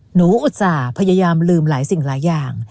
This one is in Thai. อุตส่าห์พยายามลืมหลายสิ่งหลายอย่าง